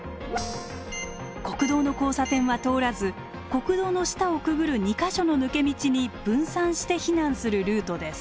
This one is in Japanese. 国道の交差点は通らず国道の下をくぐる２か所の抜け道に分散して避難するルートです。